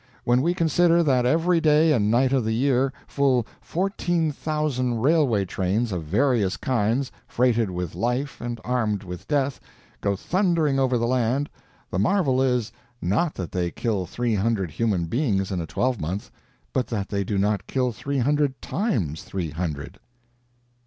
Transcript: When we consider that every day and night of the year full fourteen thousand railway trains of various kinds, freighted with life and armed with death, go thundering over the land, the marvel is, _not _that they kill three hundred human beings in a twelvemonth, but that they do not kill three hundred times three hundred!